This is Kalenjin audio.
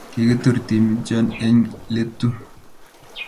kikitur timitnyo eng' letu